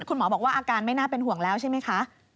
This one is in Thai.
คุณหมอบอกว่าอาการไม่น่าเป็นห่วงแล้วใช่ไหมคะ